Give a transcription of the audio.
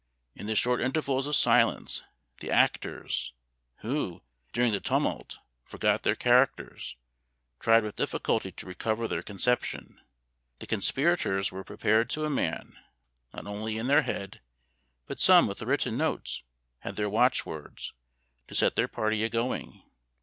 In the short intervals of silence, the actors, who, during the tumult, forgot their characters, tried with difficulty to recover their conception. The conspirators were prepared to a man; not only in their head, but some with written notes had their watchwords, to set their party a going.